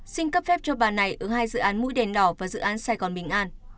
xin cấp phép cho bà này ở hai dự án mũi đèn đỏ và dự án sài gòn bình an